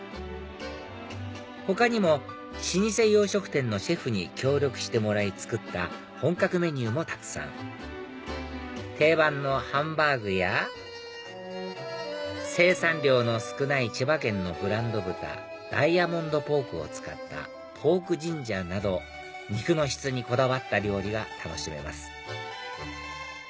他にも老舗洋食店のシェフに協力してもらい作った本格メニューもたくさん定番のハンバーグや生産量の少ない千葉県のブランド豚ダイヤモンドポークを使ったポークジンジャーなど肉の質にこだわった料理が楽しめます